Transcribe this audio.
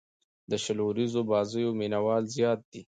د شل اووريزو بازيو مینه وال زیات دي.